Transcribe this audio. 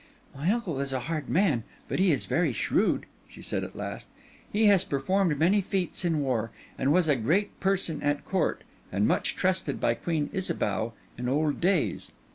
"My uncle is a hard man, but he is very shrewd," she said at last. "He has performed many feats in war, and was a great person at court, and much trusted by Queen Isabeau in old days.